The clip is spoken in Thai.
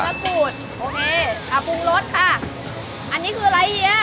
อะพุงลดค่ะอันนี้คืออะไรเฮีย